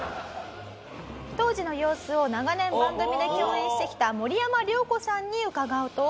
当時の様子を長年番組で共演してきた森山良子さんに伺うと。